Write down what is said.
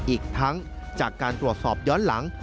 อีกทั้งจากการตรวจสอบย้อนหลัง